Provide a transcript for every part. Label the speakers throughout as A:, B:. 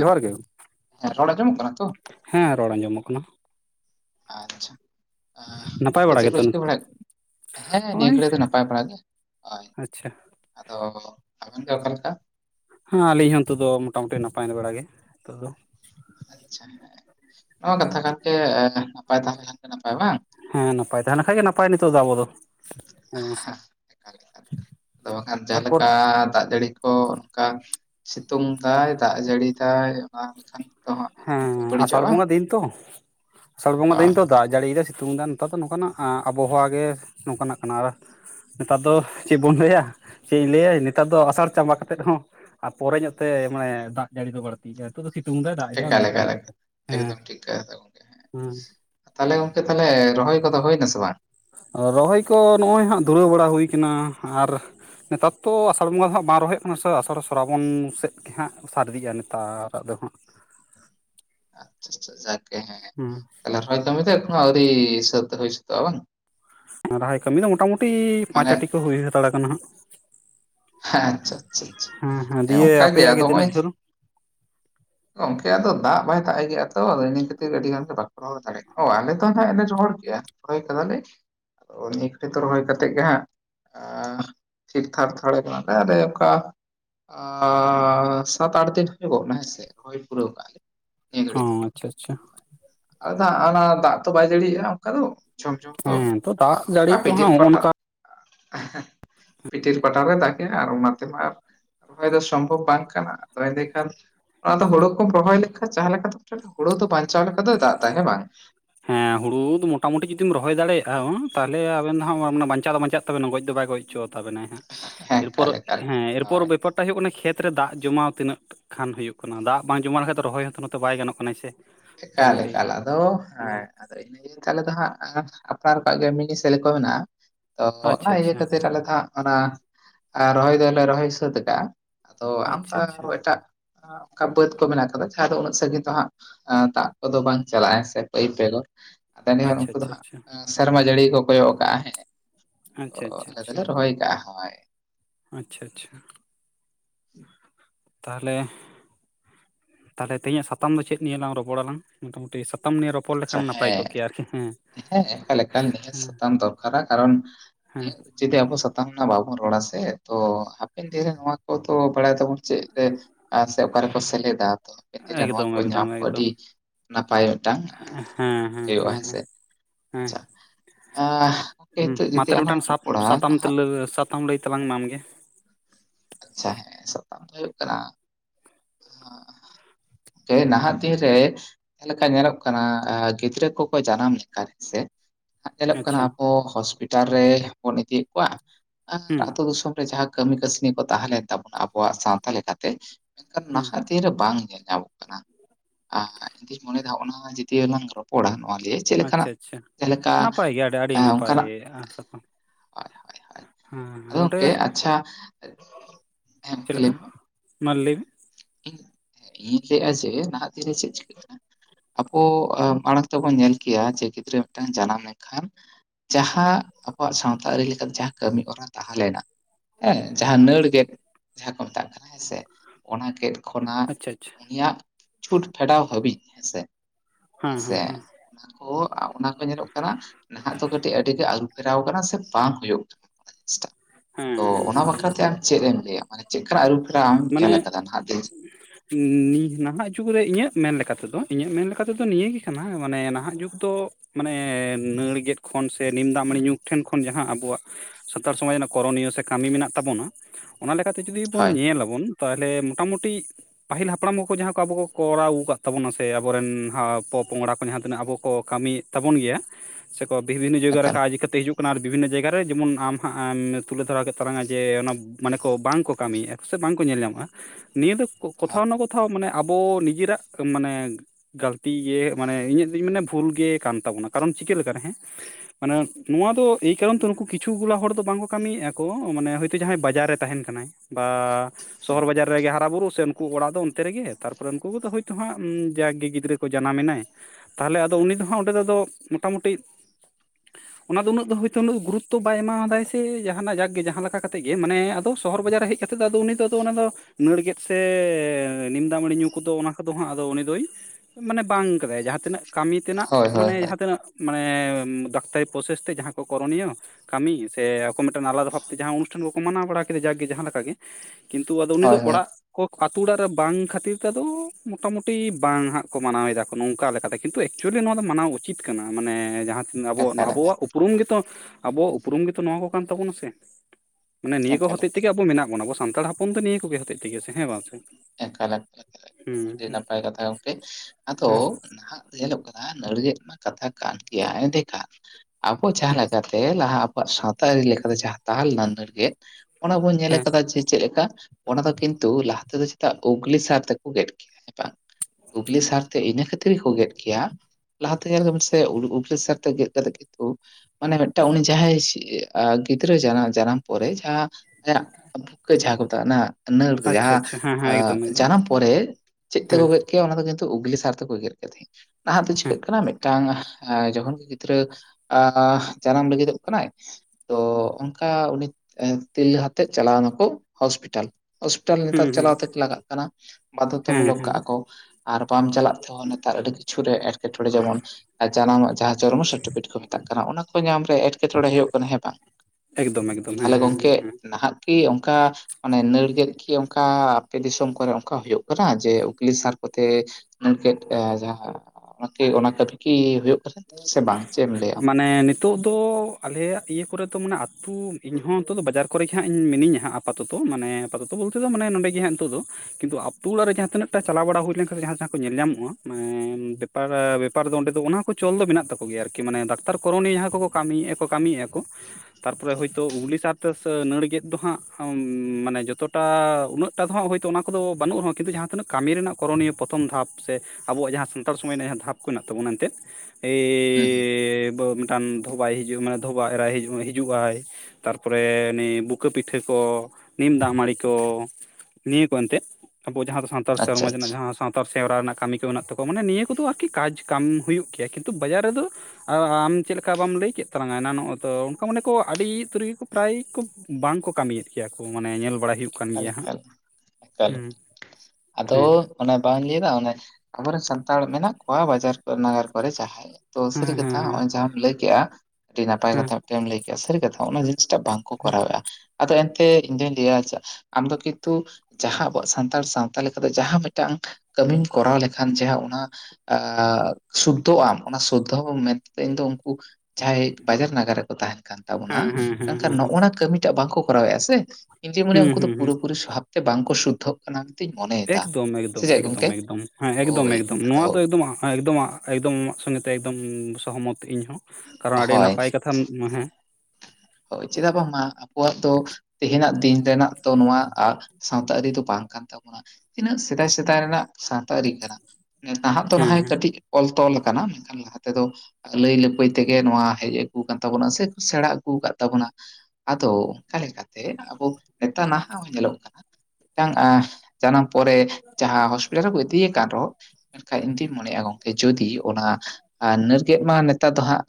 A: ᱡᱚᱦᱟᱨ ᱜᱮ
B: ᱦᱮᱸ ᱨᱚᱲ ᱟᱸᱡᱚᱢᱚᱜ ᱠᱟᱱᱟ ᱛᱚ᱾
A: ᱦᱮᱸ ᱨᱚᱲ ᱟᱸᱡᱚᱢᱚᱜ ᱠᱟᱱᱟ
B: ᱟᱪᱷᱟ
A: ᱱᱟᱯᱟᱭ
B: ᱜᱚᱝᱠᱮ
A: ᱵᱟᱲᱟ
B: ᱪᱮᱫ ᱯᱮ
A: ᱜᱮᱛᱚ
B: ᱪᱤᱠᱟᱹ ᱵᱟᱲᱟᱭ ᱦᱮᱸ ᱱᱤᱭᱟᱹ
A: ᱱᱚᱜᱼᱚᱭ
B: ᱜᱷᱟᱹᱲᱤ ᱫᱚ ᱱᱟᱯᱟᱭ ᱵᱟᱲᱟᱹᱜ ᱜᱮ ᱦᱳᱭ
A: ᱟᱪᱪᱷᱟ
B: ᱟᱫᱚ ᱟᱵᱤᱱ ᱜᱮ ᱚᱠᱟ ᱞᱮᱠᱟ
A: ᱦᱮᱸ ᱟᱹᱞᱤᱧ ᱦᱚᱸ ᱱᱤᱛᱚᱜ ᱫᱚ ᱢᱚᱴᱟᱢᱩᱴᱤ ᱱᱟᱯᱟᱭ ᱵᱟᱲᱟ ᱜᱮ ᱱᱤᱛᱚᱜ ᱫᱚ᱾
B: ᱟᱪᱪᱷᱟ ᱦᱮᱸ ᱱᱚᱣᱟ ᱠᱟᱛᱷᱟ ᱠᱟᱱ ᱜᱮ ᱱᱟᱯᱟᱭ ᱛᱟᱦᱮᱱ ᱠᱷᱟᱱ ᱜᱮ ᱱᱟᱯᱟᱭ ᱵᱟᱝ
A: ᱦᱮᱸ ᱱᱟᱯᱟᱭ ᱛᱟᱦᱮᱸᱱ ᱠᱷᱟᱭ ᱜᱮ ᱱᱟᱯᱟᱭ ᱱᱤᱛᱚᱜ ᱫᱚ ᱟᱵᱚ ᱫᱚ ᱦᱮᱸ ᱥᱮ
B: ᱟᱫᱚ ᱮᱠᱟᱞ ᱮᱠᱟᱞ ᱛᱚᱵᱮ ᱠᱷᱟᱱ
A: ᱛᱟᱨᱯᱚᱨ
B: ᱡᱟᱦᱟᱸᱞᱮᱠᱟ ᱫᱟᱜ ᱡᱟᱹᱲᱤ ᱠᱚ ᱠᱟᱱ ᱥᱤᱛᱩᱝ ᱫᱟᱭ ᱫᱟᱜ ᱡᱟᱹᱲᱤᱭ ᱫᱟᱭ [unintelligible] ᱦᱚᱲᱢᱚ ᱠᱚᱫᱚ
A: ᱦᱮᱸ ᱟᱥᱟᱲ
B: ᱵᱟᱹᱲᱤᱡᱚᱜᱼᱟ ᱵᱟᱝ?
A: ᱵᱚᱸᱜᱟ ᱫᱤᱱ ᱛᱚ ᱟᱥᱟᱲ ᱵᱚᱸᱜᱟ ᱫᱤᱱ
B: ᱦᱳᱭ
A: ᱛᱚ
B: ᱦᱳᱭ
A: ᱫᱟᱜ ᱡᱟᱹᱲᱤᱭᱟ ᱥᱤᱛᱩᱝ ᱫᱟᱱ᱾ ᱱᱮᱛᱟᱨ ᱫᱚ ᱱᱚᱝᱠᱟᱱᱟᱜ ᱟᱵᱚᱦᱟᱣᱟ ᱜᱮ ᱱᱚᱝᱠᱟᱱᱟᱜ ᱠᱟᱱᱟ ᱟᱨ ᱱᱮᱛᱟᱨ ᱫᱚ ᱪᱮᱫ ᱵᱚᱱ ᱞᱟᱹᱭᱟ ᱪᱮᱫ ᱤᱧ ᱞᱟᱹᱭᱟ ᱱᱮᱛᱟᱨ ᱫᱚ ᱟᱥᱟᱲ ᱪᱟᱸᱵᱟ ᱠᱟᱛᱮᱫ ᱦᱚᱸ ᱟᱨ ᱯᱚᱨᱮ ᱧᱚᱜ ᱛᱮ ᱢᱟᱱᱮ ᱫᱟᱜ ᱡᱟᱹᱲᱤ ᱠᱚ ᱫᱚ ᱵᱟᱹᱲᱛᱤ [unintelligible] ᱱᱮᱛᱚᱜ ᱫᱚ ᱥᱤᱛᱩᱝᱜ ᱫᱟᱜ [unintelligible]
B: ᱮᱠᱟᱞ ᱮᱠᱟᱞ
A: ᱱᱤᱛᱚᱜ
B: ᱮᱠᱟᱞ
A: ᱫᱚ ᱦᱮᱸ
B: ᱮᱠᱫᱚᱢ ᱴᱷᱤᱠ [unintelligible] ᱜᱚᱝᱹᱠᱮ
A: ᱦᱮᱸ
B: ᱛᱟᱦᱚᱞᱮ ᱜᱚᱝᱠᱮ ᱛᱟᱦᱚᱞᱮ ᱨᱚᱦᱚᱭ ᱠᱚᱫᱚ ᱦᱩᱭᱱᱟ ᱥᱮ ᱵᱟᱝ
A: ᱨᱚᱦᱚᱭ ᱠᱚ ᱱᱚᱜᱼᱚᱭ ᱦᱟᱸᱜ ᱫᱷᱲᱟᱹᱣ ᱵᱟᱲᱟ ᱦᱩᱭ ᱠᱟᱱᱟ ᱟᱨ ᱱᱮᱛᱟᱨ ᱛᱚ ᱟᱥᱟᱲ ᱵᱚᱸᱜᱟ ᱦᱟᱜ ᱵᱟᱝ ᱨᱚᱦᱚᱣᱜ ᱠᱟᱱᱟ ᱥᱮ ᱟᱥᱟᱲ ᱥᱨᱟᱵᱚᱱ ᱥᱮᱫ ᱠᱮᱦᱟᱸᱜ ᱥᱟᱨᱫᱤᱜᱼᱟ ᱱᱮᱛᱟᱨᱟᱜ ᱫᱚ ᱦᱟᱸᱜ
B: [unintelligible] ᱡᱠᱮ ᱦᱮᱸ
A: ᱦᱟᱸᱜ
B: ᱛᱟᱦᱚᱞᱮ ᱨᱚᱦᱚᱭ ᱠᱟᱹᱢᱤ ᱮᱠᱷᱚᱱ ᱦᱚᱸ ᱟᱹᱣᱨᱤ ᱥᱟᱹᱛ ᱦᱩᱭ ᱥᱟᱹᱛᱩᱜᱼᱟ ᱵᱟᱝ
A: ᱨᱚᱦᱚᱭ ᱠᱟᱹᱢᱤ ᱫᱚ ᱢᱳᱚᱴᱟᱢᱩᱴᱤ ᱯᱟᱸᱪ ᱟᱴᱤ
B: ᱢᱟᱱᱮ
A: ᱠᱚ ᱦᱩᱭ ᱦᱟᱛᱟᱲᱟ ᱠᱟᱱᱟᱦᱟᱸᱜ
B: ᱦᱮᱸ ᱟᱪᱪᱷᱟ ᱟᱪᱪᱷᱟ ᱦᱮᱸ ᱚᱱᱠ
A: ᱫᱤᱭᱮ
B: ᱜᱮ
A: ᱟᱯᱮᱭᱟᱜ
B: ᱟᱫᱚ ᱱᱚᱜᱼᱚᱭ
A: ᱛᱤᱱᱟᱹᱜ ᱡᱷᱟᱹᱞ
B: ᱜᱚᱝᱹᱠᱮ ᱟᱫᱚ ᱫᱟᱜ ᱵᱟᱭ ᱫᱟᱜ ᱜᱮᱼᱟ ᱛᱚ ᱤᱱᱟᱹ ᱠᱷᱟᱹᱛᱤᱨ ᱟᱹᱰᱤ ᱜᱟᱱ ᱵᱟᱠᱚ ᱨᱚᱦᱟᱭ [unintelligible] ᱨᱚᱦᱚᱭ ᱠᱟᱫᱟᱞᱮ ᱟᱫᱚ ᱱᱤᱭᱟᱹ [unintelligible] ᱨᱚᱦᱚᱭ ᱠᱟᱛᱮᱫ ᱜᱮ ᱦᱟᱸᱜ ᱟᱸ ᱛᱷᱤᱨ ᱛᱷᱟᱨ ᱦᱟᱛᱟᱲ ᱟᱠᱟᱱᱟ ᱞᱟᱹᱭ ᱟᱞᱮ ᱚᱱᱠᱟ ᱟᱻ ᱥᱟᱛ ᱟᱴ ᱫᱤᱱ ᱦᱩᱭᱜᱚᱫ ᱮᱱᱟ ᱦᱮᱸᱥᱮ ᱦᱩᱭ ᱯᱩᱨᱟᱹᱣ ᱠᱟᱜ ᱟᱞᱮ᱾
A: ᱦᱚᱸ ᱟᱪᱪᱷᱟ ᱟᱪᱪᱷᱟ᱾
B: [unintelligible] ᱫᱟᱜ ᱛᱚ ᱵᱟᱭ ᱡᱟᱹᱲᱤ ᱮᱫᱟ ᱚᱱᱠᱟ ᱫᱚ ᱡᱷᱚᱢ ᱡᱷᱚᱢ ᱛᱚ
A: ᱦᱮᱸ ᱫᱟᱜ
B: ᱚᱱᱠᱟ
A: ᱡᱟᱹᱲᱤ ᱛᱚ
B: ᱯᱤᱴᱤᱨ
A: ᱦᱟᱸᱜ ᱱᱚᱜᱼᱚ
B: ᱯᱟᱴᱟᱨ
A: ᱱᱚᱝᱠᱟ
B: ᱯᱤᱴᱤᱨ ᱯᱟᱴᱟᱨᱮ ᱫᱟᱜᱽ ᱠᱮᱼᱟ ᱟᱨ ᱚᱱᱟ ᱛᱮᱢᱟ ᱨᱚᱦᱚᱭ ᱫᱚ ᱥᱚᱢᱵᱷᱚᱵ ᱵᱟᱝ ᱠᱟᱱᱟ ᱮᱸᱰᱮᱠᱷᱟᱱ ᱚᱱᱟ ᱫᱚ ᱦᱩᱲᱩ ᱠᱚᱢ ᱨᱚᱦᱚᱭ ᱞᱮᱠᱷᱟᱡ ᱡᱟᱦᱟᱸ ᱞᱮᱠᱟ ᱦᱩᱲᱩ ᱫᱚ ᱵᱟᱧᱪᱟᱣ ᱫᱚ ᱫᱟᱜᱽ ᱮᱫᱟᱭ ᱦᱮᱸ ᱵᱟᱝ
A: ᱦᱮᱸ ᱦᱩᱲᱩ ᱫᱚ ᱢᱚᱴᱟᱢᱩᱴᱤ ᱡᱩᱫᱤᱢ ᱨᱚᱦᱚᱭ ᱫᱟᱲᱮᱭᱟᱜᱼᱟ ᱛᱟᱦᱞᱮ ᱟᱵᱮᱱ ᱦᱟᱸᱜ ᱵᱟᱧᱪᱟᱣ ᱫᱚ ᱵᱟᱧᱪᱟᱜ ᱛᱟᱵᱮᱱᱟ ᱜᱚᱡᱽ ᱫᱚ ᱵᱟᱭ ᱜᱚᱡᱽ ᱦᱚᱪᱚᱟᱜᱼᱟ᱾ ᱛᱟᱵᱮᱱᱟᱭ ᱦᱟᱸᱜ
B: ᱦᱮᱸ
A: ᱮᱨᱯᱚᱨ
B: ᱮᱠᱟᱞ ᱮᱠᱟᱞ
A: ᱦᱮᱸ ᱮᱨᱯᱚᱨ
B: ᱦᱳᱭ
A: ᱵᱮᱯᱟᱨᱴᱟᱜ ᱦᱩᱭᱩᱜ ᱠᱟᱱᱟ ᱠᱷᱮᱛ ᱠᱷᱮᱛ ᱨᱮ ᱫᱟᱜᱽ ᱡᱚᱢᱟᱣ ᱛᱤᱱᱟᱹᱜ ᱠᱷᱟᱱ ᱦᱩᱭᱩᱜ ᱠᱟᱱᱟ ᱫᱟᱜᱽ ᱵᱟᱝ ᱡᱚᱢᱟᱣ ᱞᱮᱠᱷᱟᱱ ᱫᱚ ᱨᱚᱦᱚᱭ ᱦᱚᱸ ᱱᱚᱛᱮ ᱵᱟᱭ ᱜᱟᱱᱚᱜ ᱠᱟᱱᱟ ᱥᱮ
B: ᱮᱠᱟᱞ
A: ᱢᱚᱴᱟᱢᱩᱴᱤ
B: ᱮᱠᱟᱞ ᱟᱫᱚ ᱦᱮᱸ ᱟᱫᱚ ᱤᱧ ᱛᱷᱚᱞᱮ ᱫᱚ ᱦᱟᱸᱜ ᱟᱯᱱᱟᱨ ᱠᱚᱣᱟᱜ ᱜᱮ ᱢᱤᱱᱤ ᱥᱮᱞᱮ ᱠᱚ ᱢᱮᱱᱟᱜᱼᱟ ᱛᱚ ᱚᱱᱟ
A: ᱟᱪᱪᱷᱟ
B: ᱤᱭᱟᱹ
A: ᱟᱪᱪᱷᱟ
B: ᱠᱷᱟᱹᱛᱤᱨ ᱟᱞᱮ ᱫᱚ ᱦᱟᱸᱜ ᱚᱱᱟ ᱨᱚᱦᱚᱭ ᱫᱚᱞᱮ ᱨᱚᱦᱚᱭ ᱥᱟᱹᱛ ᱠᱟᱜᱼᱟ ᱟᱫᱚ ᱟᱢ ᱛᱚ
A: ᱟᱪᱪᱷᱟ
B: ᱟᱨ
A: ᱟᱪᱪᱷᱟ
B: ᱮᱴᱟᱜ ᱚᱱᱠᱟ ᱵᱟᱹᱫ ᱠᱚ ᱢᱮᱱᱟᱜ ᱠᱟᱫᱟ ᱡᱟᱦᱟᱸ ᱫᱚ ᱩᱱᱟᱹᱜ ᱥᱟᱺᱜᱤᱧ ᱫᱚ ᱦᱟᱸᱜ ᱟᱸ ᱫᱟᱜᱽ ᱠᱚᱫᱚ ᱵᱟᱝ ᱪᱟᱞᱟᱼᱟ ᱦᱮᱸ ᱥᱮ ᱯᱟᱭᱤᱯ ᱨᱮᱫᱚ ᱛᱟᱦᱞᱮ
A: ᱟᱪᱪᱷᱟ
B: ᱚᱱᱠᱩ ᱦᱟᱸᱜ
A: ᱟᱪᱪᱷᱟ
B: ᱥᱮᱨᱢᱟ ᱡᱟᱹᱲᱤ ᱠᱚ ᱠᱚᱭᱚᱜ ᱠᱟᱜᱼᱟ ᱦᱮᱸ
A: ᱟᱪᱪᱷᱟ ᱟᱪᱪᱷᱟ ᱟᱪᱪᱷᱟ
B: ᱟᱞᱮ
A: ᱟᱪᱪᱷᱟ
B: ᱫᱚᱞᱮ ᱨᱚᱦᱚᱭ ᱠᱟᱜᱼᱟ ᱦᱳᱭ᱾
A: ᱟᱪᱪᱷᱟ ᱟᱪᱪᱷᱟ ᱛᱟᱦᱞᱮ ᱛᱟᱦᱞᱮ ᱛᱮᱦᱮᱧᱟᱜ ᱥᱟᱛᱟᱢ ᱫᱚ ᱪᱮᱫ ᱱᱤᱭᱟᱹᱞᱟᱝ ᱨᱚᱯᱚᱲ ᱟᱞᱟᱝ ᱢᱚᱴᱟᱢᱩᱴᱤ ᱥᱟᱛᱟᱢ ᱱᱤᱭᱟᱹ ᱨᱚᱯᱚᱲ
B: ᱟᱪᱪᱷᱟ
A: ᱞᱮᱠᱷᱟᱱ ᱱᱟᱯᱟᱭ
B: ᱦᱮᱸ
A: ᱠᱚᱜ ᱠᱮᱭᱟ ᱟᱨᱠᱤ ᱦᱮᱸ
B: ᱦᱮᱸ ᱮᱠᱟᱞ ᱮᱠᱟᱞ ᱱᱤᱭᱟᱹ ᱥᱟᱛᱟᱢ ᱫᱚᱨᱠᱟᱨᱟ ᱠᱟᱨᱚᱱ
A: ᱦᱮᱸ
B: ᱤᱧᱟᱸ ᱡᱩᱫᱤ ᱟᱵᱚ ᱥᱟᱛᱟᱢ ᱨᱮᱱᱟᱜ ᱵᱟᱵᱚᱱ ᱨᱚᱲᱟ ᱥᱮ ᱛᱚ ᱦᱟᱯᱮᱱ ᱫᱤᱱᱨᱮ ᱱᱚᱣᱟ ᱠᱚᱛᱚ ᱵᱟᱲᱟᱭ ᱛᱟᱵᱚᱱ ᱪᱮᱫ ᱨᱮ ᱟᱨ ᱥᱮ ᱚᱠᱟᱨᱮᱠᱚ ᱥᱮᱞᱮᱫᱟ ᱨᱮ ᱱᱚᱣᱟ
A: ᱮᱠᱫᱚᱢ
B: ᱠᱚ
A: ᱮᱠᱫᱚᱢ
B: ᱧᱟᱢ
A: ᱮᱠᱫᱚᱢ
B: ᱟᱹᱰᱤ ᱱᱟᱯᱟᱭ ᱢᱤᱫᱴᱟᱝ
A: ᱦᱮᱸ ᱦᱮᱸ
B: ᱦᱩᱭᱩᱜᱼᱟ
A: ᱦᱮᱸ
B: ᱦᱮᱸᱥᱮ
A: ᱦᱮᱸ ᱦᱮᱸ᱾
B: ᱟᱪᱪᱷᱟ ᱟᱸ ᱜᱚᱝᱠᱮ
A: ᱦᱩᱸ
B: ᱱᱤᱛᱚᱜ
A: ᱢᱟ
B: ᱡᱩᱫᱤ
A: ᱛᱟᱦᱚᱞᱮ
B: ᱟᱞᱟᱝ
A: ᱢᱤᱫᱴᱟᱝ ᱥᱟᱵᱽ
B: ᱨᱚᱯᱚᱲᱟ
A: ᱥᱟᱛᱟᱢ
B: ᱱᱟᱦᱟᱜ
A: ᱥᱟᱛᱟᱢ ᱞᱟᱹᱭ ᱛᱟᱞᱟᱝ ᱢᱮ ᱟᱢ ᱜᱮ
B: ᱟᱪᱪᱷᱟ ᱦᱮᱸ ᱥᱟᱛᱟᱢ ᱫᱚ ᱦᱩᱭᱩᱜ ᱠᱟᱱᱟ ᱛᱮᱦᱮᱧ ᱱᱟᱦᱟᱜ ᱫᱤᱱ ᱨᱮ ᱡᱟᱦᱟᱸ ᱞᱮᱠᱟ ᱧᱮᱞᱚᱜ ᱠᱟᱱᱟ ᱜᱤᱫᱽᱨᱟᱹ ᱠᱚᱠᱚ ᱡᱟᱱᱟᱢ ᱞᱮᱱᱠᱷᱟᱱ ᱦᱮᱸᱥᱮ ᱧᱮᱞᱚᱜ ᱠᱟᱱᱟ
A: ᱟᱪᱪᱷᱟ
B: ᱟᱵᱚ ᱦᱚᱥᱯᱤᱴᱟᱞ ᱨᱮᱵᱚᱱ ᱤᱫᱤᱭᱮᱫ ᱠᱚᱣᱟ ᱟᱨ
A: ᱦᱩᱸ
B: ᱟᱹᱛᱩ ᱫᱤᱥᱚᱢ ᱨᱮ ᱡᱟᱦᱟᱸ ᱠᱟᱹᱢᱤ ᱠᱟᱹᱥᱱᱤ ᱠᱚ ᱛᱟᱦᱮᱸ ᱞᱮᱱ ᱛᱟᱵᱚᱱᱟ ᱟᱵᱚᱣᱟᱜ ᱥᱟᱶᱛᱟ ᱞᱮᱠᱟᱛᱮ ᱢᱮᱱᱠᱷᱟᱱ
A: ᱦᱩᱸ
B: ᱱᱟᱦᱟᱸᱜ ᱫᱤᱱ ᱨᱮ ᱵᱟᱝ ᱧᱮᱞ ᱧᱟᱢᱚ ᱟᱸ ᱤᱧ ᱫᱩᱧ ᱢᱚᱱᱮ ᱮᱫᱟ ᱱᱚᱣᱟ ᱦᱚᱸ ᱡᱩᱫᱤᱞᱟᱝ ᱨᱚᱯᱚᱲᱟ ᱱᱚᱣᱟ ᱜᱤ ᱪᱮᱫ
A: ᱟᱪᱪᱷᱟ
B: ᱞᱮᱠᱟᱱᱟᱜ
A: ᱟᱪᱪᱷᱟ
B: ᱡᱮᱞᱮᱠᱟ
A: ᱱᱟᱯᱟᱭ ᱜᱮ ᱟᱹᱰᱤ ᱟᱹᱰᱤ ᱱᱟᱯᱟᱭ
B: ᱚᱱᱠᱟᱱᱟᱜ
A: ᱟᱸ, ᱥᱟᱛᱟᱢ
B: ᱦᱳᱭ ᱦᱳᱭ ᱦᱳᱭ
A: ᱦᱮᱸ
B: ᱟᱫᱚ
A: ᱱᱚᱰᱮ
B: ᱜᱚᱝᱠᱮ ᱟᱪᱪᱷᱟ ᱦᱮᱸ
A: ᱪᱮᱫ
B: ᱜᱚᱝᱠᱮ ᱞᱟᱹᱭ
A: ᱞᱮᱠᱟ
B: ᱢᱮ
A: ᱢᱟ ᱞᱟᱹᱭ ᱢᱮᱼᱼ
B: ᱤᱧ ᱤᱧ ᱞᱟᱹᱭ ᱮᱫᱟ ᱡᱮ ᱱᱟᱦᱟᱸᱜ ᱫᱤᱱ ᱨᱮ ᱪᱮᱫ ᱪᱤᱠᱟᱹᱜ ᱠᱟᱱᱟ? ᱟᱵᱚ ᱢᱟᱲᱟᱝ ᱛᱮᱵᱚᱱ ᱧᱮᱞ ᱠᱮᱭᱟ ᱡᱮ ᱜᱤᱫᱽᱨᱟᱹ ᱢᱤᱫᱴᱟᱱ ᱡᱟᱱᱟᱢ ᱞᱮᱱᱠᱷᱟᱱ ᱡᱟᱦᱟᱸ ᱟᱵᱚᱣᱟᱜ ᱥᱟᱶᱛᱟ ᱟᱹᱨᱤ ᱞᱮᱠᱟᱛᱮ ᱡᱟᱦᱟᱸ ᱠᱟᱹᱢᱤ ᱦᱚᱨᱟ ᱛᱟᱦᱮᱸ ᱞᱮᱱᱟ ᱦᱮᱸ ᱡᱟᱦᱟᱸ ᱱᱟᱲ ᱜᱮᱫ ᱡᱟᱦᱟᱸ ᱠᱚ ᱢᱮᱛᱟᱜ ᱠᱟᱱᱟ ᱦᱮᱸ ᱥᱮ ᱚᱱᱟ ᱜᱮᱫ ᱠᱷᱚᱱᱟᱜ
A: ᱟᱪᱪᱷᱟ ᱟᱪᱪᱷᱟ
B: ᱩᱱᱤᱭᱟᱜ ᱪᱷᱩᱴ ᱯᱷᱮᱰᱟᱣ ᱦᱟᱹᱵᱤᱡᱽ ᱦᱮᱸᱥᱮ ᱦᱮᱸ ᱥᱮ ᱚᱱᱟ ᱠᱚ ᱚᱱᱟ ᱠᱚ ᱧᱮᱞᱚᱜ ᱠᱟᱱᱟ ᱱᱟᱦᱟᱸᱜ ᱫᱚ ᱠᱟᱹᱴᱤᱡᱽ ᱟᱹᱰᱤ ᱜᱮ ᱟᱹᱨᱩ ᱯᱷᱮᱨᱟᱣ ᱠᱟᱱᱟ ᱥᱮ ᱵᱟᱝ ᱦᱩᱭᱩᱜ ᱠᱟᱱᱟ ᱚᱱᱟᱡᱤᱱᱤᱥ ᱴᱟᱜ ᱛᱚ
A: ᱦᱮᱸ
B: ᱚᱱᱟ
A: ᱦᱮᱸ
B: ᱵᱟᱠᱷᱨᱟᱛᱮ ᱟᱢ ᱪᱮᱫ ᱮᱢ ᱞᱟᱹᱭᱟ ᱢᱟᱱᱮ ᱪᱮᱫ ᱞᱮᱠᱟᱱᱟᱜ ᱟᱹᱨᱩ ᱯᱷᱮᱨᱟᱣ ᱟᱢᱮᱢ ᱧᱮᱞ ᱟᱠᱟᱫᱟ ᱱᱟᱦᱟᱸᱜ?
A: ᱤᱧ ᱱᱟᱦᱟᱸᱜ ᱡᱩᱜᱽ ᱨᱮ ᱤᱧᱟᱹᱜ ᱢᱮᱱ ᱞᱮᱠᱟ ᱛᱮᱫᱚ ᱤᱧᱟᱹᱜ ᱢᱮᱱ ᱞᱮᱠᱟ ᱛᱮᱫᱚ ᱱᱤᱭᱟᱹ ᱜᱮ ᱠᱟᱱᱟ ᱢᱟᱱᱮ ᱱᱟᱦᱟᱸᱜ ᱡᱩᱜᱽ ᱫᱚ ᱢᱟᱱᱮ ᱱᱟᱹᱲ ᱜᱮᱫ ᱠᱷᱚᱱ ᱥᱮ ᱱᱤᱢ ᱫᱟᱜᱽ ᱢᱟᱹᱲᱤ ᱧᱩ ᱴᱷᱮᱱ ᱠᱷᱚᱱ ᱡᱟᱦᱟᱸ ᱟᱵᱚᱣᱟᱜ ᱥᱟᱱᱛᱟᱲ ᱥᱚᱢᱟᱡᱽ ᱨᱮᱱᱟᱜ ᱠᱚᱨᱚᱱᱤᱭᱚ ᱥᱮ ᱠᱟᱹᱢᱤ ᱢᱮᱱᱟᱜ ᱛᱟᱵᱚᱱᱟ ᱚᱱᱟ ᱞᱮᱠᱟᱛᱮ ᱡᱩᱫᱤ ᱵᱚᱱ
B: ᱦᱳᱭ
A: ᱧᱮᱞᱟᱵᱚᱱ ᱛᱟᱦᱚᱞᱮ ᱢᱚᱴᱟᱢᱩᱴᱤ ᱯᱟᱹᱦᱤᱞ ᱦᱟᱯᱲᱟᱢ ᱠᱚᱠᱚ ᱡᱟᱸᱦᱟ ᱠᱚ ᱡᱟᱦᱟᱸ ᱠᱚ ᱟᱵᱚ ᱠᱚᱨᱟᱣ ᱟᱹᱜᱩ ᱟᱠᱟᱫ ᱛᱟᱵᱚᱱᱟ ᱥᱮ ᱟᱵᱚᱨᱮᱱ ᱯᱚᱼᱯᱚᱝᱜᱚᱲᱟ ᱠᱚ ᱡᱟᱦᱟᱸ ᱛᱤᱱᱟᱹᱜ ᱟᱵᱚ ᱠᱚ ᱠᱟᱹᱢᱤ ᱛᱟᱵᱚᱱ ᱜᱮᱭᱟ ᱥᱮᱠᱚ ᱵᱤᱵᱷᱤᱱᱚ ᱡᱟᱭᱜᱟ
B: ᱮᱠᱟᱞ
A: ᱠᱟᱛᱮᱫ ᱦᱤᱡᱩᱜ ᱦᱩᱭᱩᱜ ᱠᱟᱱᱟ ᱟᱨ ᱵᱤᱵᱷᱤᱱᱱᱚ ᱡᱟᱭᱜᱟ ᱨᱮ ᱡᱮᱢᱚᱱ ᱟᱢ ᱦᱟᱸᱜ ᱮᱢ ᱛᱩᱞᱟᱹ ᱛᱟᱨᱟ ᱠᱮᱫ ᱛᱟᱞᱟᱝᱟ ᱡᱮ ᱚᱱᱟ ᱢᱟᱱᱮ ᱠᱚ ᱵᱟᱝᱠᱚ ᱠᱟᱹᱢᱤᱭᱮᱫᱟ᱾ ᱥᱮ ᱵᱟᱝ ᱠᱚ ᱧᱮᱞ ᱧᱟᱢᱚᱜᱼᱟ᱾ ᱱᱤᱭᱟᱹ ᱫᱚ ᱠᱚᱛᱷᱟᱣ ᱱᱟ ᱠᱚᱛᱷᱟᱣ ᱢᱟᱱᱮ ᱟᱵᱚ ᱱᱤᱡᱮᱨᱟᱜ ᱢᱟᱱᱮ ᱜᱟᱹᱞᱛᱤ ᱜᱮ ᱢᱟᱱᱮ ᱤᱧᱟᱹᱜ ᱫᱧ ᱢᱟᱱᱮ ᱵᱷᱩᱞ ᱜᱮ ᱠᱟᱱ ᱛᱟᱵᱚᱱᱟ ᱾ᱠᱟᱨᱚᱱ ᱪᱤᱠᱟᱹᱞᱮᱠᱟ ᱨᱮ ᱦᱮᱸ ᱢᱟᱱᱮ ᱱᱚᱣᱟ ᱫᱚ ᱮᱭ ᱠᱟᱨᱚᱱ ᱛᱮ ᱱᱩᱠᱩ ᱠᱤᱪᱷᱩ ᱜᱩᱞᱟ ᱦᱚᱲ ᱫᱚ ᱵᱟᱝᱠᱚ ᱠᱟᱹᱢᱤᱭᱮᱜᱼᱟ ᱠᱚ᱾ ᱢᱟᱱᱮ ᱦᱳᱭᱛᱳ ᱡᱟᱦᱟᱸᱭ ᱵᱟᱡᱟᱨ ᱨᱮ ᱛᱟᱦᱮᱱ ᱠᱟᱱᱟᱭ ᱵᱟᱻ ᱥᱚᱦᱚᱨ ᱵᱟᱡᱟᱨ ᱨᱮᱜᱮ ᱦᱟᱨᱟ ᱵᱩᱨᱩ, ᱥᱮ ᱩᱱᱠᱩ ᱚᱲᱟᱜ ᱫᱚ ᱚᱱᱛᱮ ᱨᱮᱜᱮ, ᱛᱟᱨᱯᱚᱨᱮ ᱩᱱᱠᱩ ᱠᱚᱫᱚ ᱦᱳᱭᱛᱚ ᱦᱟᱸᱜ ᱡᱟᱜᱮ ᱜᱤᱫᱽᱨᱟᱹ ᱡᱟᱱᱟᱢᱮᱱᱟᱭ ᱛᱟᱦᱚᱞᱮ ᱟᱫᱚ ᱩᱱᱤ ᱫᱚ ᱦᱟᱸᱜ ᱚᱸᱰᱮ ᱫᱚ ᱢᱳᱴᱟᱢᱩᱴᱤ
B: [inaudible]
A: ᱚᱱᱟ ᱫᱚ ᱩᱱᱟᱹᱜ ᱫᱚ ᱦᱳᱭᱛᱳ ᱩᱱᱟᱹᱜ ᱜᱩᱨᱩᱛᱚ ᱵᱟᱭ ᱮᱢᱟ ᱫᱟ ᱥᱮ, ᱡᱟᱦᱟᱸᱱᱟᱜ ᱡᱟᱠ ᱜᱮ ᱡᱟᱦᱟᱸ ᱞᱮᱠᱟ ᱠᱟᱛᱮᱜ ᱜᱮ ᱢᱟᱱᱮ ᱟᱫᱚ ᱥᱚᱦᱚᱨ ᱵᱟᱡᱟᱨ ᱨᱮ ᱦᱮᱡ ᱠᱟᱛᱮ ᱟᱫᱚ ᱩᱱᱤ ᱫᱚ ᱚᱱᱟ ᱫᱚ ᱱᱟᱹᱲᱜᱮᱫ ᱥᱮ ᱱᱤᱢ ᱫᱟᱜ ᱢᱟᱹᱰᱤ ᱧᱩ ᱠᱚᱫᱚ, ᱚᱱᱟ ᱫᱚ ᱦᱟᱸᱜ ᱟᱫᱚ ᱩᱱᱤ ᱫᱚᱭ ᱢᱟᱱᱮ ᱵᱟᱝ ᱠᱟᱫᱟᱭ᱾ ᱡᱟᱦᱟᱸ ᱛᱤᱱᱟᱹᱜ ᱠᱟᱹᱢᱤ ᱛᱮᱱᱟᱜ
B: ᱦᱳᱭ ᱦᱳᱭ
A: ᱢᱟᱱᱮ
B: ᱦᱳᱭ ᱦᱳᱭ
A: ᱡᱟᱦᱟᱸ ᱛᱤᱱᱟᱹᱜ ᱢᱟᱱᱮ ᱰᱟᱠᱛᱟᱨᱤ ᱯᱨᱚᱥᱮᱥ ᱛᱮ ᱡᱟᱦᱟᱸ ᱠᱚ ᱠᱚᱨᱚᱱᱤᱭᱚ ᱠᱟᱹᱢᱤ ᱥᱮ ᱟᱠᱚ ᱢᱤᱫᱴᱮᱱ ᱟᱞᱟᱫᱟ ᱵᱷᱟᱵ ᱛᱮ ᱡᱟᱦᱟᱸ ᱚᱱᱩᱥᱴᱷᱟᱱ ᱠᱚᱠᱚ ᱢᱟᱱᱟᱣ ᱵᱟᱲᱟ ᱠᱮᱫᱟ ᱡᱟᱜᱠᱮ ᱡᱟᱦᱟᱸ ᱞᱮᱠᱟ ᱜᱮ᱾ ᱠᱤᱱᱛᱩ ᱟᱫᱚ ᱩᱱᱤ
B: ᱦᱳᱭ
A: ᱫᱚ
B: ᱦᱳᱭ
A: ᱚᱲᱟᱜ ᱠᱚ, ᱟᱛᱩ ᱚᱲᱟᱜ ᱨᱮ ᱵᱟᱝ ᱠᱷᱟᱹᱛᱤᱨ ᱛᱮ ᱟᱫᱚ, ᱢᱚᱴᱟᱢᱩᱴᱤ ᱵᱟᱝ ᱦᱟᱸᱜ ᱠᱚ ᱢᱟᱱᱟᱣ ᱮᱫᱟ ᱱᱚᱝᱠᱟ ᱞᱮᱠᱟᱛᱮ ᱠᱤᱱᱛᱩ ᱮᱠᱪᱩᱭᱮᱞᱤ ᱱᱚᱣᱟ ᱫᱚ ᱢᱟᱱᱟᱣ ᱩᱪᱤᱛ ᱠᱟᱱᱟ᱾ ᱢᱟᱱᱮ ᱡᱟᱦᱟᱸ ᱟᱵᱚ
B: ᱮᱠᱟᱞ ᱮᱠᱟᱞ
A: ᱟᱵᱚᱣᱟᱜ ᱩᱯᱩᱨᱩᱢ ᱜᱮᱛᱚ, ᱟᱵᱚ ᱩᱯᱩᱨᱩᱢ ᱜᱮᱛᱚ ᱱᱚᱣᱟ ᱠᱚ ᱠᱟᱱ ᱛᱟᱵᱚᱱᱟ ᱥᱮ ᱢᱟᱱᱮ ᱱᱤᱭᱟᱹ ᱠᱚ
B: ᱮᱠᱟᱞ
A: ᱦᱚᱛᱮᱡ ᱛᱮᱜᱮ ᱟᱵᱚ ᱢᱮᱱᱟᱜ ᱵᱚᱱᱟ᱾ ᱟᱵᱚ ᱥᱟᱱᱛᱟᱲ ᱦᱚᱯᱚᱱ ᱫᱚ ᱱᱤᱭᱟᱹ ᱠᱚᱜᱮ ᱦᱚᱛᱮᱡ ᱛᱮᱜᱮ ᱦᱮᱸ ᱵᱟᱝ ᱥᱮ?
B: ᱮᱠᱟᱞ
A: ᱦᱩᱸ
B: ᱟᱹᱰᱤ ᱱᱟᱯᱟᱭ ᱠᱟᱛᱷᱟ ᱜᱚᱝᱠᱮ ᱟᱫᱚ
A: ᱦᱮᱸ ᱦᱮᱸ
B: ᱱᱟᱦᱟᱸᱜ ᱧᱮᱞᱚᱜ ᱠᱟᱱᱟ ᱱᱟᱹᱲᱭᱟᱹᱜ ᱢᱟ ᱠᱟᱛᱷᱟ ᱠᱟᱱ ᱜᱮᱭᱟ ᱮᱸᱰᱮ ᱠᱷᱟᱱ ᱟᱵᱚ ᱡᱟᱦᱟᱸ ᱞᱮᱠᱟ ᱞᱮᱠᱟ ᱛᱮ ᱥᱮ ᱞᱟᱦᱟ ᱟᱵᱚᱣᱟᱜ ᱥᱟᱶᱛᱟ ᱟᱹᱨᱤ ᱞᱮᱠᱟᱛᱮ ᱡᱟᱦᱟᱸ ᱛᱟᱦᱮᱞᱮᱱᱟ ᱱᱟᱸᱲ ᱜᱮᱜ ᱚᱱᱟ ᱵᱚᱱ ᱧᱮᱞ
A: ᱦᱮᱸ
B: ᱠᱟᱫᱟ ᱡᱮ ᱪᱮᱫ ᱞᱮᱠᱟ, ᱚᱱᱟ ᱫᱚ ᱠᱤᱱᱛᱩ ᱞᱟᱦᱟ ᱛᱮᱫᱚ ᱟᱜ ᱩᱜᱽᱞᱤ ᱥᱟᱨ ᱛᱮᱠᱚ ᱜᱮᱫ ᱠᱮᱭᱟ, ᱦᱮᱸ ᱵᱟᱝ ᱩᱜᱽᱞᱤ ᱥᱟᱨ ᱛᱮ ᱤᱱᱟᱹ ᱠᱷᱟᱹᱛᱤᱨ ᱜᱮᱠᱚ ᱜᱮᱫ ᱠᱮᱭᱟ ᱞᱟᱦᱟ ᱛᱮ ᱧᱮᱞ ᱠᱟᱵ ᱥᱮ ᱩᱯᱷᱞᱟᱹ ᱥᱟᱨ ᱛᱮ ᱜᱮᱫ ᱠᱟᱛᱮ ᱠᱤᱱᱛᱩ ᱢᱟᱱᱮ ᱢᱤᱫᱴᱟᱝ ᱩᱱᱤ ᱡᱟᱦᱟᱸᱭ ᱜᱤᱫᱽᱨᱟᱹ ᱡᱟᱱᱟᱢ ᱯᱚᱨᱮ ᱡᱟᱦᱟᱸ ᱟᱭᱟᱜ ᱵᱩᱠᱟᱹ ᱡᱟᱦᱟᱸ ᱠᱚ ᱢᱮᱛᱟᱜ ᱠᱟᱱᱟ ᱱᱟᱹᱲ ᱫᱚ
A: ᱟᱪᱪᱷᱟ
B: ᱡᱟᱦᱟᱸ
A: ᱟᱪᱪᱷᱟ ᱦᱮᱸ ᱦᱮᱸ ᱮᱠᱫᱚᱢ ᱮᱠᱫᱚᱢ
B: ᱡᱟᱱᱟᱢ ᱯᱚᱨᱮ ᱪᱮᱫ ᱛᱮᱠᱚ
A: ᱦᱮᱸ ᱦᱮᱸ
B: ᱜᱮᱜ ᱠᱮᱭᱟ ᱚᱱᱟ ᱫᱚ ᱠᱤᱱᱛᱩ ᱩᱜᱽᱞᱤ ᱥᱟᱨ ᱛᱮᱠᱚ ᱜᱮᱫ ᱜᱮ ᱛᱟᱦᱮᱸ, ᱱᱟᱦᱟᱹᱫᱚ ᱪᱤᱠᱟᱹᱜ ᱠᱟᱱᱟ ᱢᱤᱫᱴᱟᱝ ᱡᱚᱠᱷᱚᱱ ᱜᱮ ᱜᱤᱫᱽᱨᱟᱹ ᱟᱸᱻ ᱡᱟᱱᱟᱢ ᱞᱟᱹᱜᱤᱫᱚᱜ ᱠᱟᱱᱟᱭ ᱛᱚ ᱚᱱᱠᱟ ᱩᱱᱤ ᱛᱤᱨᱞᱟᱹ ᱟᱛᱮᱜ ᱪᱟᱞᱟᱣ ᱱᱟᱠᱚ ᱦᱚᱥᱯᱤᱴᱟᱞ᱾ ᱦᱚᱥᱯᱤᱴᱟᱞ ᱱᱮᱛᱟᱨ
A: ᱦᱩᱸ ᱦᱩᱸ
B: ᱪᱟᱞᱟᱣ ᱛᱮ ᱞᱟᱜᱟᱜ ᱠᱟᱱᱟ, ᱵᱟᱫᱽᱫᱷᱚᱛᱟ
A: ᱦᱮᱸ
B: ᱢᱩᱞᱚᱠ
A: ᱦᱮᱸ
B: ᱠᱟᱜᱼᱟ ᱠᱚ᱾ ᱟᱨ ᱵᱟᱢ ᱪᱟᱞᱟᱜ ᱛᱮᱦᱚᱸ ᱱᱮᱛᱟᱨ ᱟᱹᱰᱤ ᱠᱤᱪᱷᱩ ᱨᱮ ᱮᱴ ᱮᱴᱠᱮᱴᱚᱬᱮ ᱡᱮᱢᱚᱱ ᱡᱟᱱᱟᱢᱟᱜ ᱡᱟᱦᱟᱸ ᱡᱚᱱᱢᱚ ᱥᱟᱨᱴᱤᱚᱯᱷᱤᱠᱮᱴ ᱠᱚ ᱢᱮᱛᱟᱜ ᱠᱟᱱᱟ ᱚᱱᱟ ᱠᱚ ᱧᱟᱢ ᱨᱮ ᱮᱴᱠᱮᱴᱚᱬᱮ ᱦᱩᱭᱩᱜ ᱠᱟᱱᱟ ᱦᱮᱸ ᱵᱟᱝ?
A: ᱮᱠᱫᱚᱢ ᱮᱠᱫᱚᱢ ᱦᱮᱸ
B: ᱛᱟᱦᱚᱞᱮ
A: ᱦᱮᱸ
B: ᱜᱚᱢᱠᱮ
A: ᱦᱮᱸ
B: ᱱᱟᱦᱟᱜ ᱠᱤ ᱚᱱᱠᱟ ᱢᱟᱱᱮ ᱱᱟᱹᱲ ᱜᱮᱫ ᱠᱤ ᱚᱱᱠᱟ ᱟᱯᱮ ᱫᱤᱥᱚᱢ ᱠᱚᱨᱮ ᱚᱱᱠᱟ ᱦᱩᱭᱩᱜ ᱠᱟᱱᱟ? ᱠᱟᱱᱟ ᱡᱮ ᱩᱜᱽᱞᱤ ᱥᱟᱨ ᱠᱚᱛᱮ ᱢᱮᱱᱠᱮᱫ ᱚᱱᱟ ᱠᱟᱹᱢᱤ ᱠᱤ ᱦᱳᱭᱳᱜ
A: ᱢᱟᱱᱮ ᱱᱤᱛ ᱱᱤᱛᱚᱜ ᱫᱚ ᱟᱞᱮᱭᱟᱜ ᱤᱭᱟᱹ ᱠᱚᱨᱮ ᱫᱚ, ᱢᱟᱱᱮ ᱟᱹᱛᱩ ᱤᱧᱦᱚᱸ ᱱᱤᱛᱚᱜ ᱫᱚ ᱵᱟᱡᱟᱨ ᱠᱚᱨᱮ ᱜᱮ ᱦᱟᱸᱜ ᱢᱤᱱᱟᱹᱧᱟ ᱦᱟᱸᱜ ᱟᱯᱟᱛᱚᱛᱚ ᱢᱟᱱᱮ ᱟᱯᱟᱛᱚᱛᱚ ᱵᱚᱞᱛᱮ ᱫᱚ ᱢᱟᱱᱮ ᱱᱚᱰᱮ ᱜᱮ ᱦᱟᱸ ᱱᱤᱛᱚᱜ ᱫᱚ ᱠᱤᱱᱛᱩ ᱟᱛᱳ ᱚᱲᱟᱜ ᱨᱮ ᱡᱟᱦᱟᱸ ᱛᱤᱱᱟᱹᱜ ᱴᱟ ᱪᱟᱞᱟᱣ ᱵᱟᱲᱟ ᱦᱩᱭ ᱞᱮᱱᱠᱷᱟᱱ ᱡᱟᱦᱟᱸ ᱡᱟᱦᱟᱸ ᱠᱚ ᱧᱮᱞ ᱧᱟᱢᱚᱜᱼᱟ᱾ ᱢᱟᱱᱮ ᱵᱮᱯᱟᱨ ᱵᱮᱯᱟᱨ ᱫᱚ ᱚᱸᱰᱮ ᱫᱚ ᱚᱱᱟ ᱠᱚ ᱪᱚᱞ ᱫᱚ ᱢᱮᱱᱟᱜ ᱛᱟᱠᱚ ᱜᱮᱭᱟ ᱟᱨᱠᱤ᱾ ᱢᱟᱱᱮ ᱰᱟᱠᱛᱟᱨ ᱠᱚᱨᱚᱱᱤᱭᱟᱹ ᱡᱟᱦᱟᱸ ᱠᱚᱠᱚ ᱠᱟᱹᱢᱤᱭᱮᱫᱼᱟ ᱠᱚ ᱠᱟᱹᱢᱤᱭᱮᱫᱼᱟ ᱠᱚ ᱛᱟᱨᱯᱚᱨᱮ ᱦᱳᱭᱛᱳ ᱩᱩᱜᱽᱞᱤ ᱥᱟᱨᱛᱮ ᱱᱟᱹᱬ ᱜᱮᱫ ᱫᱚ ᱦᱟᱸᱜ ᱢᱟᱱᱮ ᱡᱚᱛᱚ ᱴᱟ ᱩᱱᱟᱹᱜ ᱮᱴᱟ ᱫᱚ ᱦᱟᱜ ᱦᱳᱭᱛᱚ ᱚᱱᱟ ᱠᱚᱫᱚ ᱵᱟᱹᱱᱩᱜ ᱨᱮᱦᱚᱸ ᱠᱤᱱᱛᱩ ᱡᱟᱦᱟᱸ ᱛᱤᱱᱟᱹᱜ ᱠᱟᱹᱢᱤ ᱨᱮᱱᱟᱜ ᱠᱚᱨᱚᱱᱤᱭᱚ ᱯᱚᱛᱷᱚᱢ ᱫᱷᱟᱯ ᱥᱮ ᱟᱵᱚᱣᱟᱜ ᱡᱟᱦᱟᱸ ᱥᱟᱱᱛᱟᱲ ᱥᱚᱢᱟᱡᱽ ᱨᱮᱱᱟᱜ ᱡᱟᱦᱟᱸ ᱫᱷᱟᱯ ᱠᱚ ᱢᱮᱱᱟᱜᱱᱟᱜ ᱛᱟᱵᱚᱱᱟ ᱮᱱᱛᱮᱫ
B: ᱦᱩᱸ ᱦᱩᱸ
A: ᱮᱭᱻ᱾ ᱢᱤᱫ ᱴᱟᱱ ᱫᱷᱚᱵᱟᱭ ᱦᱤᱡᱩᱜᱼᱟ ᱢᱟᱱᱮ ᱫᱷᱚᱵᱟ ᱮᱨᱟᱭ ᱦᱤᱡᱩᱜᱼᱟᱭ᱾ ᱛᱟᱨᱯᱚᱨᱮ ᱵᱩᱠᱟᱹ ᱯᱤᱴᱷᱟᱹ ᱠᱚ ᱱᱤᱢ ᱫᱟᱜ ᱢᱟᱹᱲᱤ ᱠᱚ᱾ ᱱᱤᱭᱟᱹ ᱠᱚ ᱮᱱᱛᱮ ᱟᱵᱚ ᱡᱟᱦᱟᱸ ᱫᱚ ᱥᱟᱱᱟ ᱥᱟᱱᱛᱟᱲ
B: ᱟᱪᱪᱷᱟ
A: ᱥᱨᱚᱢᱟᱡᱽ ᱨᱮᱱᱟᱜ
B: ᱟᱪᱪᱷᱟ
A: ᱡᱟᱦᱟᱸ ᱥᱟᱶᱛᱟᱨ ᱥᱮᱨᱣᱟ ᱨᱮᱱᱟᱜ ᱠᱟᱹᱢᱤ ᱠᱚ ᱢᱮᱱᱟᱜ ᱛᱟᱠᱚᱣᱟ᱾ ᱢᱟᱱᱮ ᱱᱤᱭᱟᱹ ᱠᱚᱫᱚ ᱟᱨᱠᱤ ᱠᱟᱡᱽᱠᱟᱢ ᱦᱩᱭᱩᱜ ᱜᱮᱭᱟ, ᱠᱤᱱᱛᱩ ᱠᱤᱱᱛᱩ ᱵᱟᱡᱟᱨ ᱨᱮᱫᱚ ᱟᱢ ᱪᱮᱫ ᱞᱮᱠᱟ ᱵᱟᱢ ᱞᱟᱹᱭ ᱠᱮᱫ ᱛᱟᱞᱟᱝᱟ ᱮᱱᱟᱝ ᱛᱚ ᱚᱱᱠᱟ ᱢᱚᱱᱮ ᱠᱚ ᱟᱹᱰᱤ ᱩᱛᱟᱹᱨᱮᱜᱮ ᱯᱨᱟᱭ ᱠᱚ ᱵᱟᱝᱠᱚ ᱠᱟᱹᱢᱤᱭᱮᱫ ᱜᱮᱭᱟ ᱠᱚ ᱢᱟᱱᱮ ᱧᱮᱞ ᱵᱟᱲᱟᱭ ᱦᱩᱭᱩᱜ ᱠᱟᱱ
B: ᱮᱠᱟᱞᱻ
A: ᱜᱮᱭᱟ ᱦᱟᱸᱜ
B: ᱮᱠᱟᱞᱻ ᱮᱠᱟᱞᱻ
A: ᱦᱩᱸ
B: ᱟᱫᱚᱻ᱾
A: ᱦᱮᱸ
B: ᱚᱱᱟ ᱵᱟᱧ ᱞᱟᱹᱭᱮᱫᱟ ᱚᱱᱮ ᱟᱵᱚᱨᱮᱱ ᱥᱟᱱᱛᱟᱲ ᱢᱮᱱᱟᱜ ᱠᱚᱣᱟ ᱵᱟᱡᱟᱨ ᱠᱚᱨᱮ ᱱᱟᱜᱟᱨ ᱠᱚᱨᱮ ᱡᱟᱦᱟᱸᱟᱭ ᱛᱚ
A: ᱦᱮᱸ
B: ᱥᱟᱹᱨᱤ
A: ᱦᱮᱸ
B: ᱠᱟᱛᱷᱟ ᱦᱚᱸᱜ
A: ᱦᱮᱸ
B: ᱚᱭ ᱡᱟᱦᱟᱸᱟᱢ ᱞᱟᱹᱭ ᱠᱮᱜᱼᱟ ᱟᱹᱰᱤ ᱱᱟᱯᱟᱭ
A: ᱦᱮᱸ
B: ᱠᱟᱛᱷᱟ ᱢᱮᱛᱴᱮᱱᱮᱢ ᱞᱟᱹᱭ ᱠᱮᱜ ᱟ ᱥᱟᱹᱨᱤ ᱠᱟᱛᱷᱟ ᱚᱱᱟ ᱡᱤᱱᱤᱥᱴᱟᱜ᱾ ᱡᱤᱱᱤᱥᱴᱟᱜ ᱵᱟᱝᱠᱚ ᱠᱚᱨᱟᱣᱮᱜᱼᱟ ᱟᱫᱚ ᱮᱱᱛᱮ ᱤᱧ ᱫᱩᱧ ᱞᱟᱹᱭᱟ ᱟᱢᱫᱚ ᱠᱤᱱᱛᱩ ᱡᱟᱦᱟᱸ ᱟᱵᱚᱣᱟᱜ ᱥᱟᱱᱛᱟᱲ ᱥᱟᱶᱛᱟ ᱞᱮᱠᱟᱛᱮ ᱡᱟᱦᱟᱸ ᱢᱤᱫᱴᱟᱝ ᱠᱟᱹᱢᱤᱢ ᱠᱚᱨᱟᱣ ᱞᱮᱠᱷᱟᱱ ᱡᱟᱦᱟᱸ ᱚᱱᱟ ᱟ ᱥᱩᱫᱽᱫᱷᱚᱜᱼᱟᱢ᱾ ᱚᱱᱟ ᱥᱩᱫᱽᱫᱷᱚ ᱢᱮᱱᱛᱮ ᱤᱧ ᱫᱚ ᱩᱱᱠᱩ ᱡᱟᱦᱟᱸᱭ ᱵᱟᱡᱟᱨ ᱱᱟᱜᱟᱨ ᱨᱮᱠᱚ ᱛᱟᱦᱮᱱ ᱠᱟᱱ ᱛᱟᱵᱚᱱᱟ,
A: ᱦᱮᱸ ᱦᱮᱸ ᱦᱮᱸ
B: ᱢᱮᱱᱠᱷᱟᱱ
A: ᱦᱮᱸ
B: ᱱᱚᱜᱼᱚᱭ ᱠᱟᱹᱢᱤ ᱵᱟᱝ ᱠᱚ ᱠᱚᱨᱟᱣᱮᱜᱼᱟ ᱥᱮ, ᱤᱧᱡᱮᱧ ᱢᱚᱱᱮᱭᱟ
A: ᱦᱩᱸ
B: ᱩᱱᱠᱩ ᱫᱚ
A: ᱦᱩᱸ ᱦᱩᱸ
B: ᱯᱩᱨᱟᱹ ᱯᱩᱨᱤ ᱵᱷᱟᱵᱽ ᱛᱮ ᱵᱟᱝ ᱠᱚ ᱥᱩᱫᱽᱫᱷᱚᱜ ᱠᱟᱱᱟ᱾ ᱢᱮᱱᱛᱤᱧ ᱢᱚᱱᱮᱭᱟ
A: ᱮᱠᱫᱚᱢ, ᱮᱠᱫᱚᱢ, ᱮᱠᱫᱚᱢ, ᱮᱠᱫᱚᱢ, ᱦᱮᱸ ᱮᱠᱫᱚᱢ,
B: ᱦᱳᱭ
A: ᱮᱠᱫᱚᱢ, ᱱᱚᱣᱟ ᱫᱚ
B: ᱟᱫᱚ
A: ᱮᱠᱫᱚᱢ ᱟᱸ ᱮᱠᱫᱚᱢ ᱟᱸᱜ ᱮᱠᱫᱚᱢ ᱟᱢᱟᱜ ᱥᱚᱸᱜᱮ ᱛᱮ ᱮᱠᱫᱚᱢ ᱥᱚᱦᱚᱢᱚᱛ, ᱤᱧ ᱦᱚᱸ ᱠᱟᱨᱚᱱ ᱟᱹᱰᱤ
B: ᱦᱳᱭ
A: ᱱᱟᱯᱟᱭ ᱠᱟᱛᱷᱟᱢ ᱦᱮᱸ
B: ᱦᱳᱭ, ᱪᱮᱫᱟᱜ ᱵᱟᱝ ᱢᱟ ᱟᱵᱚᱣᱟᱜ ᱫᱚ ᱛᱮᱦᱮᱱᱟᱜ ᱫᱤᱱ ᱨᱮᱱᱟᱜ ᱛᱚ ᱱᱚᱣᱟ ᱟᱨ ᱥᱟᱶᱛᱟ ᱟᱹᱨᱤ ᱫᱚ ᱵᱟᱝ ᱠᱟᱱ ᱛᱟᱵᱚᱱᱟ᱾ ᱛᱤᱱᱟᱹᱜ ᱥᱮᱫᱟᱭ-ᱥᱮᱫᱟᱭ ᱨᱮᱱᱟᱜ ᱥᱟᱶᱛᱟ ᱟᱹᱨᱤ ᱠᱟᱱᱟ᱾ ᱱᱟᱦᱟᱜ ᱫᱚ
A: ᱦᱮᱸ
B: ᱱᱟᱦᱭ ᱠᱟᱹᱴᱤᱡ ᱚᱞ ᱛᱚᱞ ᱠᱟᱱᱟ ᱢᱮᱱᱠᱷᱟᱱ ᱞᱟᱦᱟᱛᱮ ᱛᱮᱫᱚ ᱞᱟᱹᱭ ᱞᱟᱹᱯᱟᱹᱭ ᱛᱮᱜᱮ ᱱᱚᱣᱟ ᱦᱮᱡ ᱟᱠᱩ ᱠᱟᱱ ᱛᱟᱵᱚᱱᱟ ᱥᱮ ᱥᱮᱬᱟ ᱟᱹᱜᱩ ᱟᱠᱟᱫ ᱛᱟᱵᱚᱱᱟ ᱟᱫᱚ ᱚᱱᱠᱟ ᱞᱮᱠᱟᱛᱮ ᱟᱵᱚ ᱱᱮᱛᱟᱨ ᱱᱟᱦᱟᱜ ᱦᱚᱸ ᱧᱮᱞᱚᱜ ᱠᱟᱱᱟ ᱢᱤᱫᱴᱟᱝ ᱟᱨ ᱡᱟᱱᱟᱢ ᱯᱚᱨᱮ ᱡᱟᱦᱟᱸ ᱦᱚᱥᱯᱤᱴᱟᱞ ᱨᱮᱠᱚ ᱤᱫᱤᱭᱮ ᱠᱟᱱ ᱨᱮᱦᱚᱸ ᱢᱮᱱᱠᱷᱟᱡ ᱤᱧ ᱫᱩᱧ ᱢᱚᱱᱮᱭᱟ ᱜᱚᱢᱠᱮ ᱡᱩᱫᱤ ᱚᱱᱟ ᱟᱨ ᱱᱟ. ᱨ ᱜᱮᱫ ᱢᱟ ᱱᱮᱛᱟᱨ ᱫᱚ ᱦᱟᱸᱜ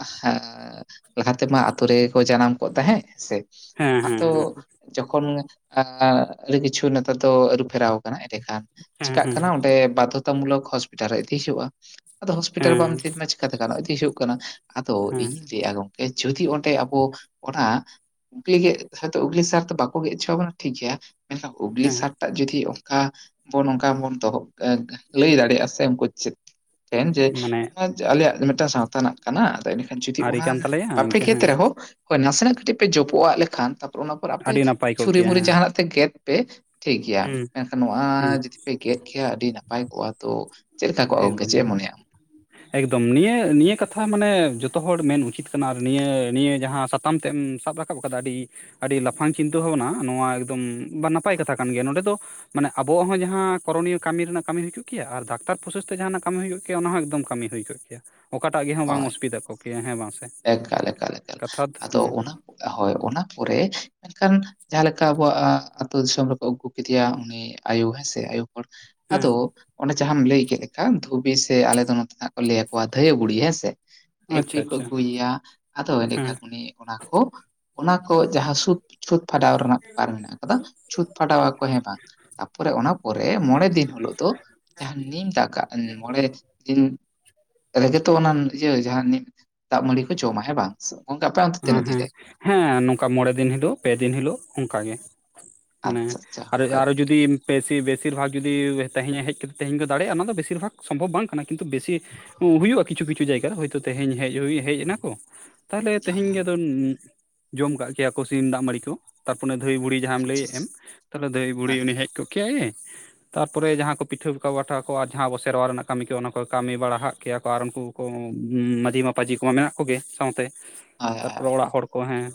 B: ᱞᱟᱦᱟ ᱛᱮᱢᱟ ᱟᱹᱛᱩ ᱨᱮ ᱠᱚ ᱡᱟᱱᱟᱢ ᱠᱚᱜ ᱛᱟᱦᱮᱸᱜ ᱥᱮ
A: ᱦᱮᱸ ᱦᱮᱸ
B: ᱟᱸᱜ
A: ᱦᱮᱸ
B: ᱛᱚ ᱡᱚᱠᱷᱚᱱ ᱟᱸ ᱟᱹᱰᱤ ᱠᱤᱪᱷᱩ ᱱᱮᱛᱟᱨ ᱫᱚ ᱟᱹᱨᱩ ᱯᱷᱮᱨᱟᱣ ᱟᱠᱟᱱᱟ᱾ ᱮᱸᱰᱮᱠᱷᱟᱱ
A: ᱦᱮᱸ
B: ᱪᱮᱠᱟᱜ
A: ᱦᱮᱸ
B: ᱠᱟᱱᱟ, ᱚᱸᱰᱮ ᱵᱟᱫᱽᱫᱷᱚᱛᱟ ᱢᱩᱞᱚᱠ ᱦᱚᱥᱯᱤᱴᱟᱞ ᱨᱮ ᱤᱫᱤ ᱦᱩᱭᱩᱜᱼᱟ᱾ ᱟᱫᱚ ᱦᱚᱥᱯᱤᱴᱟᱞ ᱵᱟᱢ
A: ᱦᱮᱸ
B: ᱠᱟᱛᱮ ᱜᱟᱱᱚᱜ ᱤᱫᱤ ᱦᱩᱭᱩᱜ ᱠᱟᱱᱟ᱾ ᱟᱫᱚ
A: ᱦᱮᱸ
B: ᱤᱧᱤᱧ ᱞᱟᱹᱭᱮᱜᱼᱟ, ᱜᱚᱢᱠᱮ ᱡᱚᱫᱤ ᱚᱸᱰᱮ ᱟᱵᱚ ᱚᱱᱟ ᱩᱜᱽᱞᱤ ᱜᱮᱫ ᱦᱚᱭᱛᱚ ᱩᱜᱽᱞᱤ ᱥᱟᱨ ᱫᱚ ᱵᱟᱠᱚ ᱜᱮᱜ ᱦᱚᱪᱚ ᱟᱵᱚᱱᱟ ᱴᱷᱤᱠ ᱜᱮᱭᱟ ᱢᱮᱱᱠᱷᱟᱱ ᱩᱜᱽᱞᱤ
A: ᱦᱮᱸ
B: ᱥᱟᱨ ᱛᱟᱜ ᱡᱩᱫᱤ ᱚᱱᱠᱟ ᱵᱚᱱ, ᱚᱱᱠᱟ ᱵᱚᱱ ᱫᱚᱦᱚᱵᱽ ᱮ ᱞᱟᱹᱭ ᱫᱟᱲᱮᱭᱟᱜᱼᱟ ᱥᱮ ᱩᱱᱠᱩ ᱪᱮ ᱡᱮ
A: ᱢᱟᱱᱮ
B: ᱟᱞᱮᱭᱟᱜ ᱢᱮᱫᱴᱟᱝ ᱥᱟᱶᱛᱟ ᱨᱮᱱᱟᱜ ᱠᱟᱱᱟ, ᱟᱫᱚ ᱮᱸᱰᱮᱠᱷᱟᱱ ᱡᱩᱫᱤ
A: ᱟᱹᱨᱤ
B: ᱚᱱᱟ
A: ᱠᱟᱱ ᱛᱟᱞᱮᱭᱟ
B: ᱵᱟᱯᱮ
A: ᱱᱤᱝᱠᱟᱹ
B: ᱜᱮᱛ
A: ᱦᱮᱸ
B: ᱨᱮᱦᱚᱸ ᱱᱟᱥᱮᱱᱟᱜ ᱠᱟᱹᱴᱤᱡ ᱯᱮ ᱡᱚᱯᱚᱜ ᱟᱜ ᱞᱮᱠᱷᱟᱱ ᱚᱱᱟ ᱯᱚᱨ ᱟᱯᱮ
A: ᱟᱹᱰᱤ ᱱᱟᱯᱟᱭ ᱠᱚᱜ ᱠᱮᱭᱟ
B: ᱪᱷᱩᱨᱤ-ᱢᱩᱨᱤ
A: ᱦᱮᱸ
B: ᱡᱟᱦᱟᱸᱱᱟᱜ ᱛᱮ ᱜᱮᱫ ᱯᱮ ᱴᱷᱤᱠ ᱜᱮᱭᱟ,
A: ᱦᱩᱸ
B: ᱢᱮᱱᱠᱷᱟᱱ ᱱᱚᱣᱟ
A: ᱦᱩᱸ
B: ᱡᱩᱫᱤ ᱯᱮ ᱜᱮᱫ ᱠᱮᱭᱟ, ᱟᱹᱰᱤ ᱱᱟᱯᱟᱭ ᱠᱚᱜᱼᱟ ᱛᱚ᱾ ᱪᱮᱫ ᱞᱮᱠᱟ ᱠᱚᱜᱼᱟ ᱜᱚᱝᱠᱮ
A: ᱮᱠᱫᱚᱢ
B: ᱪᱮᱫ ᱮᱢ
A: ᱮᱠᱫᱚᱢ᱾
B: ᱢᱚᱱᱮᱭᱟ
A: ᱮᱠᱫᱚᱢ ᱱᱤᱭᱟᱹ ᱱᱤᱭᱟᱹ ᱠᱟᱛᱷᱟ ᱢᱟᱱᱮ ᱡᱚᱛᱚ ᱦᱚᱲ ᱢᱮᱱ ᱩᱪᱤᱛ ᱠᱟᱱᱟ ᱟᱨ ᱱᱤᱭᱟᱹ, ᱱᱤᱭᱟᱹ ᱡᱟᱦᱟᱸ ᱥᱟᱛᱟᱢ ᱛᱮᱢ ᱮᱢ ᱥᱟᱵ ᱨᱟᱠᱟᱯ ᱨᱟᱠᱟᱵ ᱟᱠᱟᱫᱟ᱾ ᱟᱹᱰᱤ, ᱟᱹᱰᱤ ᱞᱟᱯᱷᱟᱝ ᱪᱤᱱᱛᱟᱹ ᱵᱷᱟᱹᱵᱽᱱᱟ ᱱᱚᱣᱟ ᱮᱠᱫᱚᱢ ᱵᱟ ᱱᱟᱯᱟᱭ ᱠᱟᱛᱷᱟ ᱠᱟᱱ ᱜᱮᱭᱟ᱾ ᱱᱚᱸᱰᱮ ᱫᱚ ᱢᱟᱱᱮ ᱟᱵᱚᱣᱟᱜ ᱦᱚᱸ ᱡᱟᱦᱟᱸ ᱠᱚᱨᱚᱱᱤᱭᱟ. ᱠᱟᱢᱤ ᱨᱮᱱᱟᱜ ᱠᱟᱹᱢᱤ ᱦᱩᱭ ᱠᱚᱜ ᱠᱮᱭᱼᱟ ᱟᱨ ᱫᱟᱠ ᱛᱟᱨ ᱯᱨᱚᱥᱮᱥ ᱛᱮ ᱡᱟᱦᱟᱸᱱᱟᱜ ᱠᱟᱹᱢᱤ ᱦᱩᱭ ᱠᱚᱜ ᱠᱮᱭᱟ᱿ ᱚᱱᱟ ᱦᱚᱸ ᱮᱠᱫᱚᱢ ᱠᱟᱹᱢᱤ ᱦᱩᱭ ᱠᱚᱜ ᱠᱮᱭᱟ᱾ ᱚᱠᱟᱴᱟᱜ ᱜᱮ ᱦᱚᱸ
B: ᱦᱳᱭ
A: ᱵᱟᱝ ᱚᱥᱵᱤᱫᱟ ᱠᱚᱜ ᱠᱮᱭᱟ ᱦᱮᱸ ᱵᱟᱝ ᱥᱮ?
B: ᱮᱠᱟᱞ, ᱮᱠᱟᱞ, ᱮᱠᱟᱞ᱾
A: ᱠᱟᱛᱷᱟ ᱫᱚ
B: ᱟᱫᱚ
A: ᱦᱩᱸ
B: ᱚᱱᱟ ᱦᱳᱭ, ᱚᱱᱟ ᱯᱚᱨᱮ ᱢᱮᱱᱠᱷᱟᱱ ᱡᱟᱦᱟᱸ ᱞᱮᱠᱷᱟ ᱟᱵᱚᱣᱟᱜ ᱟᱸ ᱟᱛᱳ ᱫᱤᱥᱚᱢ ᱨᱮᱠᱚ ᱟᱹᱜᱩ ᱠᱮᱫᱮᱭᱟ ᱩᱱᱤ ᱟᱭᱳ ᱦᱮᱸᱥᱮ ᱟᱭᱳ ᱦᱚᱲ
A: ᱦᱮᱸ
B: ᱟᱫᱚ ᱚᱸᱰᱮ ᱡᱟᱦᱟᱸᱢ ᱞᱟᱹᱭ ᱠᱮᱫ ᱞᱮᱠᱟ ᱫᱷᱩᱵᱤ ᱥᱮ ᱟᱞᱮ ᱫᱚ ᱱᱚᱛᱮ ᱫᱚ ᱦᱟᱸᱜ ᱠᱚ ᱞᱟᱹᱭ ᱟᱠᱚᱣᱟ ᱫᱷᱟᱹᱭᱟ. ᱵᱩᱲᱤ ᱦᱮᱸᱥᱮ? ᱥᱮ ᱫᱷᱟᱹᱭ
A: ᱟᱪᱪᱷᱟ
B: ᱵᱩᱰᱤ ᱠᱚ
A: ᱟᱪᱪᱷᱟ
B: ᱟᱹᱜᱩᱭᱮᱭᱟ ᱟᱫᱚ
A: ᱦᱮᱸ
B: ᱮᱸᱰᱮᱠᱷᱟᱱ ᱩᱱᱤ ᱚᱱᱟ ᱠᱚ ᱚᱱᱟ ᱠᱚ ᱡᱟᱦᱟᱸ ᱥᱩᱛ, ᱪᱷᱩᱸᱛ ᱯᱷᱟᱰᱟᱣ ᱨᱮᱱᱟᱜ ᱵᱮᱯᱟᱨ ᱢᱮᱱᱟᱜ ᱠᱟᱫᱟ᱾ ᱪᱷᱩᱸᱛ ᱯᱷᱟᱰᱟᱣ ᱟᱠᱚ ᱦᱮᱸ ᱵᱟᱝ? ᱛᱟᱯᱚᱨᱮ ᱚᱱᱟ ᱯᱚᱨᱮ ᱢᱚᱬᱮ ᱫᱤᱱ ᱦᱳᱞᱳᱜ ᱫᱚ ᱡᱟᱦᱟᱸ ᱱᱤᱢ ᱫᱟᱠᱟ ᱮᱢ ᱢᱚᱬᱮ ᱫᱤᱱ ᱨᱮᱜᱮ ᱛᱚ ᱚᱱᱟ ᱤᱭᱟᱹ ᱡᱟᱦᱟᱸ ᱱᱤᱢ ᱫᱟᱜ ᱢᱟᱹᱲᱤ ᱠᱚ ᱡᱚᱢᱟ ᱦᱮᱸ ᱵᱟᱝ? [unintelligible] ᱜᱚᱢᱠᱮ ᱟᱯᱮ ᱚᱱ
A: ᱦᱮᱸ, ᱦᱮᱸ ᱱᱚᱝᱠᱟ ᱢᱚᱬᱮ ᱫᱤᱱ ᱦᱤᱞᱳᱜ, ᱯᱮ ᱫᱤᱱ ᱦᱤᱞᱳᱜ ᱚᱝᱠᱟ ᱜᱮ᱾
B: ᱟᱪᱪᱷᱟ
A: ᱢᱟᱱᱮ
B: ᱟᱪᱪᱷᱟ
A: ᱟᱨᱮ,
B: ᱦᱳᱭ
A: ᱟᱨᱚ ᱡᱩᱫᱤᱢ ᱵᱮᱥᱤ ᱵᱮᱥᱤᱨ ᱵᱷᱟᱜᱽ ᱡᱩᱫᱤ ᱛᱮᱦᱮᱧᱮ ᱦᱮᱡ ᱠᱟᱛᱮ ᱛᱮᱦᱮᱧ ᱜᱮ ᱫᱟᱲᱮᱭᱟᱜᱼᱟ ᱚᱱᱟ ᱫᱚ ᱵᱮᱥᱤᱨ ᱵᱷᱟᱜᱽ ᱥᱚᱢᱵᱷᱚᱵᱽ ᱵᱟᱝ ᱠᱟᱱᱟ ᱠᱤᱱᱛᱩ ᱵᱮᱥᱤ ᱩᱸ ᱦᱩᱭᱩᱜᱼᱟ ᱠᱤᱪᱷᱩ ᱠᱤᱪᱷᱩ ᱡᱟᱭᱜᱟ ᱨᱮ ᱦᱚᱭᱛᱳ ᱛᱮᱦᱮᱧ ᱦᱮᱡ ᱦᱩᱭ ᱦᱮᱡ ᱮᱱᱟᱠᱚ ᱛᱟᱦᱞᱮ
B: ᱦᱳᱭ
A: ᱛᱮᱦᱮᱧ ᱜᱮ ᱟᱫᱚᱧ [unintelligible] ᱡᱚᱢ ᱠᱟᱜ ᱠᱮᱭᱟ ᱠᱚ ᱥᱤᱢ ᱫᱟᱜ ᱢᱟᱹᱲᱤ ᱠᱚ ᱛᱟᱨᱯᱚᱱᱮ ᱩᱱᱤ ᱫᱷᱟᱹᱭ ᱵᱩᱲᱤ ᱡᱟᱦᱟᱸᱢ
B: ᱟᱪᱪᱷᱟ
A: ᱞᱟᱹᱭᱮᱜ ᱮᱢ
B: ᱟᱪᱪᱷᱟ
A: ᱛᱟᱦᱚᱞᱮ ᱫᱷᱟᱹᱭ
B: ᱦᱮᱸ
A: ᱵᱩᱲᱦᱤ
B: ᱦᱮᱸ
A: ᱩᱱᱤ ᱦᱮᱜ ᱠᱚᱜ ᱠᱮᱭᱟᱭᱮ ᱛᱟᱨᱯᱚᱨᱮ ᱡᱟᱦᱟᱸ ᱠᱚ ᱯᱤᱴᱷᱟᱹ ᱠᱚ ᱵᱟᱴᱷᱟ ᱠᱚ ᱟᱨ ᱡᱟᱦᱟᱸ ᱟᱵᱚ ᱥᱮᱨᱣᱟ ᱨᱮᱱᱟᱜ ᱠᱟᱹᱢᱤ ᱠᱚ ᱚᱱᱟ ᱠᱚ ᱠᱟᱹᱢᱤ ᱵᱟᱲᱟ ᱦᱟᱜ ᱠᱮᱭᱟ ᱠᱚ ᱟᱨ ᱩᱱᱠᱩ ᱠᱚ [unintelligible] ᱢᱟᱹᱡᱷᱤ ᱢᱟᱯᱟᱡᱷᱤ ᱠᱚ ᱢᱟ ᱢᱮᱱᱟᱜ ᱠᱚᱜᱮ ᱥᱟᱶᱛᱮ
B: ᱦᱳᱭ
A: ᱛᱟᱨᱯᱚᱨᱮ
B: ᱦᱳᱭ
A: ᱚᱲᱟᱜ ᱦᱚᱲ ᱠᱚ ᱦᱮᱸ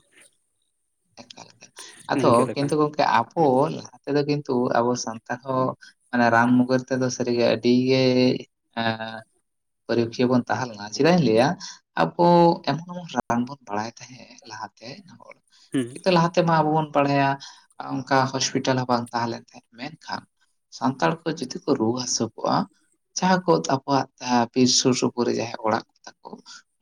B: ᱮᱠᱟᱞ ᱮᱠᱟᱞ, ᱟᱫᱚ
A: ᱱᱤᱝᱠᱟᱹ ᱞᱮᱠᱟ
B: ᱠᱤᱱᱛᱩ ᱜᱚᱝᱠᱮ ᱟᱵᱚ
A: ᱦᱮᱸ
B: ᱞᱟᱦᱟ ᱛᱮᱫᱚ ᱠᱤᱱᱛᱩ ᱟᱵᱚ ᱥᱟᱱᱛᱟᱲ ᱦᱚᱸ, ᱢᱟᱱᱮ ᱨᱟᱱ ᱢᱩᱜᱟᱨ ᱛᱮᱫᱚ ᱥᱟᱹᱨᱤᱜᱮ ᱟᱹᱰᱤ ᱜᱮ ᱟᱸ ᱯᱟᱹᱨᱤᱠᱷᱤᱭᱟᱹ ᱵᱚᱱ ᱛᱟᱦᱮᱸ ᱞᱮᱱᱟ ᱪᱮᱫᱟᱜ ᱤᱧ ᱞᱟᱹᱭᱟ ᱟᱵᱚ ᱮᱢᱚᱱ ᱮᱢᱚᱱ ᱨᱟᱱ ᱵᱚᱱ ᱵᱟᱲᱟᱭ ᱛᱟᱦᱮᱸᱫ ᱞᱟᱦᱟᱛᱮ ᱦᱚᱲ᱾
A: ᱦᱩᱸ
B: ᱞᱟᱦᱟᱛᱮᱢᱟ ᱟᱵᱚ ᱵᱚᱱ ᱵᱟᱲᱦᱟᱭᱟ ᱚᱱᱠᱟ ᱦᱚᱥᱯᱤᱴᱟᱞ ᱦᱚᱸ ᱵᱟᱝ ᱛᱟᱦᱮᱸ ᱞᱮᱱ ᱛᱟᱦᱮᱸ ᱢᱮᱱᱠᱷᱟᱱ ᱥᱟᱱᱛᱟᱲ ᱠᱚ ᱡᱩᱫᱤ ᱠᱚ ᱨᱩᱣᱟᱹ ᱦᱟᱹᱥᱩ ᱠᱚᱜ-ᱟ ᱡᱟᱦᱟᱸ ᱠᱚ ᱟᱠᱚᱭᱟᱜ ᱵᱤᱨ ᱥᱩᱨ ᱥᱩᱯᱩᱨ ᱨᱮ ᱡᱟᱦᱟᱸᱭ ᱚᱲᱟᱜ ᱛᱟᱠᱚ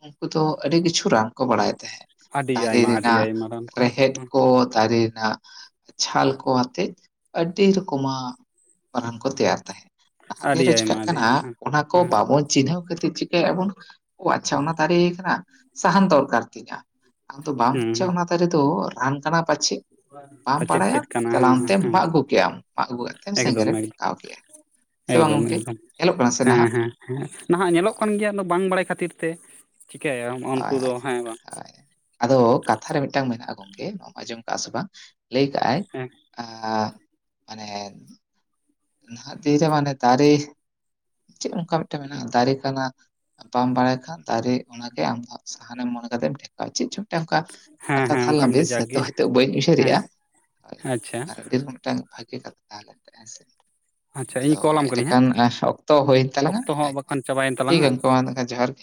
B: ᱩᱱᱠᱩ ᱫᱚ ᱟᱹᱰᱤ ᱠᱤᱪᱷᱩ ᱨᱟᱱ ᱠᱚ ᱵᱟᱲᱟᱭ ᱛᱟᱦᱮᱜ
A: ᱟᱹᱰᱤ
B: ᱫᱟᱨᱮ
A: ᱟᱭᱢᱟ ᱟᱹᱰᱤ
B: ᱨᱮᱱᱟᱜ
A: ᱟᱭᱢᱟ ᱨᱟᱱ ᱠᱚ
B: ᱨᱮᱦᱮᱫ ᱪᱮᱫ
A: ᱦᱮᱸ
B: ᱠᱚ ᱫᱟᱨᱮᱱᱟ ᱪᱷᱟᱞ ᱠᱚ ᱟᱛᱮᱫ ᱟᱹᱰᱤ ᱨᱚᱠᱚᱢᱟᱜ ᱨᱟᱱ ᱠᱚ ᱛᱮᱭᱟᱨ ᱛᱟᱦᱮᱸᱫ᱾ ᱱᱟᱦᱟᱜ
A: ᱟᱹᱰᱤ
B: ᱫᱤᱱ ᱨᱮ
A: ᱟᱭᱢᱟ
B: ᱪᱤᱠᱟᱜ
A: ᱟᱹᱰᱤ
B: ᱠᱟᱱᱟ
A: ᱟᱭᱢᱟ ᱦᱮᱸ
B: ᱚᱱᱟ ᱠᱚ
A: ᱦᱮᱸ
B: ᱵᱟᱵᱚᱱ ᱪᱤᱱᱦᱟᱹᱣ ᱠᱷᱟ. ᱛᱤᱨ ᱠᱮᱹᱵᱚᱱ ᱚ ᱟᱪᱪᱷᱟ ᱚᱱᱟ ᱫᱟᱨᱮ ᱠᱟᱱᱟ ᱥᱟᱦᱟᱱ ᱫᱚᱨᱠᱟᱨ ᱛᱤᱧᱟᱹ ᱟᱢ ᱫᱚ ᱵᱟᱢ
A: ᱦᱮᱸ
B: ᱵᱩᱡᱷᱟᱹᱜ-ᱟ
A: ᱦᱮᱸ
B: ᱚᱱ [unintelligible] ᱫᱚ ᱨᱟᱱ ᱠᱟᱲᱟ ᱯᱟᱪᱮᱜ᱾ ᱵᱟᱢ
A: ᱯᱟᱪᱮᱫ
B: ᱵᱟᱲᱟᱭᱟ
A: ᱪᱮᱫ ᱠᱟᱱᱟ ᱦᱮᱸ
B: ᱪᱟᱞᱟᱣ
A: ᱦᱮᱸ
B: ᱛᱮ
A: ᱦᱮᱸ
B: ᱢᱟᱜ ᱟᱹᱜᱩ ᱠᱮᱜ ᱟᱢ ᱢᱟᱜ ᱟᱹᱜᱩ ᱠᱮᱫ ᱛᱮ ᱥᱮᱸᱜᱮᱞ
A: ᱮᱠᱫᱚᱢ
B: ᱮᱢ
A: ᱮᱠᱫᱚᱢ
B: ᱴᱷᱮᱠᱟᱣ ᱠᱮᱜ-ᱟ᱾ ᱥᱮ ᱜᱚᱝᱠᱮ ᱧᱮᱞᱚᱜ ᱠᱟᱱᱟ ᱱᱟᱦᱟᱜ᱾
A: ᱦᱮ ᱱᱟᱦᱟᱜ ᱧᱮᱞᱚᱜ
B: ᱦᱳᱭ
A: ᱠᱟᱱ ᱜᱮᱭᱟ ᱫᱚ ᱵᱟᱝ ᱵᱟᱲᱟᱭ ᱠᱷᱟᱹᱛᱤᱨ ᱛᱮ ᱪᱤᱠᱟᱹᱭᱟ ᱩᱱᱠᱩ ᱫᱚ
B: ᱦᱳᱭ
A: ᱦᱮ ᱵᱟᱝ᱾
B: ᱦᱳᱭ ᱟᱫᱚ ᱠᱟᱛᱷᱟ ᱨᱮ ᱢᱤᱫᱴᱟᱝ ᱢᱮᱱᱟᱜ-ᱟ ᱜᱚᱢᱠᱮ ᱱᱚᱭ ᱟᱸᱡᱚᱢ ᱠᱟᱜ ᱟᱥᱮ ᱵᱟᱝ ᱞᱟᱹᱭ ᱠᱟᱜ ᱟᱭ
A: ᱦᱮᱸ
B: ᱟᱻᱻ ᱢᱟᱱᱮ ᱱᱟᱦᱟᱜ ᱫᱤᱭᱮᱪᱷᱮ ᱢᱟᱱᱮ ᱫᱟᱨᱮ ᱪᱮᱫ ᱚᱱᱠᱟ ᱢᱤᱫᱴᱮᱱ ᱢᱮᱱᱟᱜ-ᱟ ᱫᱟᱨᱮ ᱠᱟᱱᱟ ᱵᱟᱢ ᱵᱟᱲᱟᱭ ᱠᱷᱟᱱ ᱫᱟᱨᱮ ᱚᱱᱟᱜᱮ ᱟᱢ ᱥᱟᱦᱟᱱᱮᱢ ᱢᱚᱱᱮ ᱠᱟᱛᱮᱢ ᱴᱮᱠᱟᱣᱟ ᱪᱮᱫ ᱪᱚᱝ ᱢᱤᱫᱴᱟᱝ ᱠᱟ
A: ᱦᱮᱸ
B: ᱠᱟᱛᱷᱟ
A: ᱦᱮᱸ
B: ᱛᱟᱦᱮ
A: ᱚᱱᱠᱟ
B: ᱞᱮᱱᱛᱮ
A: ᱢᱤᱫᱴᱮᱡ ᱡᱟᱠ
B: ᱵᱮᱥᱛᱚ
A: ᱜᱮ
B: ᱦᱚᱭᱛᱚ ᱵᱟᱹᱧ
A: ᱦᱮᱸ
B: ᱩᱭᱦᱟᱹᱨᱮᱜ-ᱟ
A: ᱟᱪᱪᱷᱟ
B: ᱴᱟᱹᱜ ᱵᱟᱷᱜᱤ ᱠᱟᱛᱷᱟ ᱛᱟᱦᱮᱞᱮᱱ ᱛᱮ ᱦᱮᱥᱮ ᱾
A: ᱟᱪᱪᱷᱟ
B: ᱟᱫᱚ
A: ᱤᱧ ᱠᱚᱞᱟᱢ ᱠᱟᱹᱱᱟᱹᱧ ᱦᱟᱸᱜ
B: ᱮᱸᱰᱮᱠᱷᱟᱱ ᱚᱠᱛᱚ ᱦᱩᱭᱮᱱ ᱛᱟᱞᱟᱝᱟ
A: ᱚᱠᱛᱚ ᱦᱚᱸ ᱵᱟᱠᱷᱟᱱ ᱪᱟᱵᱟᱭᱮᱱ
B: ᱴᱷᱤᱠ
A: ᱛᱟᱞᱟᱝᱟ
B: ᱜᱮᱭᱟ ᱢᱟ ᱡᱚᱦᱟᱨ ᱜᱮ᱾